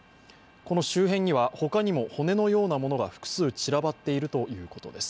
この周辺には他にも骨のようなものが複数散らばっているということです。